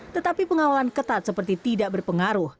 tetapi pengawalan ketat seperti tidak berpengaruh